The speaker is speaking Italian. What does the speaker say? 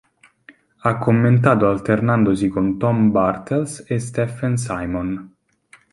Ha commentato alternandosi con Tom Bartels e Steffen Simon.